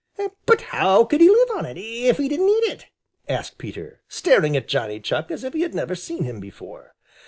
"But how could he live on it, if he didn't eat it?" asked Peter, staring at Johnny Chuck as if he had never seen him before.